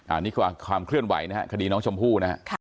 อันนี้คือความเคลื่อนไหวคดีน้องชมพู่นะครับ